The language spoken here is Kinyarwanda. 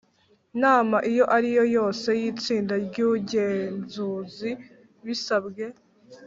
Nama iyo ariyo yose y itsinda ry ugenzuzi bisabwe